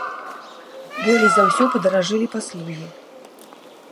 Болей за ўсё падаражэлі паслугі.